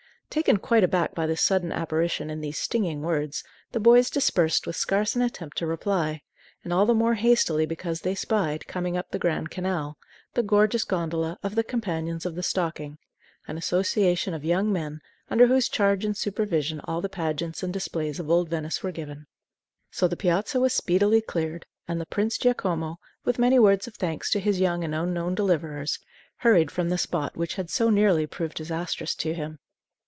Taken quite aback by this sudden apparition and these stinging words, the boys dispersed with scarce an attempt to reply, and all the more hastily because they spied, coming up the Grand Canal, the gorgeous gondola of the Companions of the Stocking, an association of young men under whose charge and supervision all the pageants and displays of old Venice were given. So the piazza was speedily cleared; and the Prince Giacomo, with many words of thanks to his young and unknown deliverers, hurried from the spot which had so nearly proved disastrous to him.